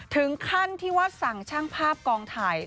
ถึงขั้นที่ว่าสั่งช่างภาพกองถ่าย